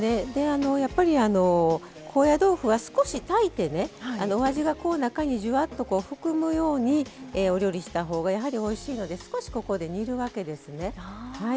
やっぱり高野豆腐は少し炊いてお味が中に、じゅわっと含むようにお料理したほうがやはりおいしいので少し、ここで煮るわけですね。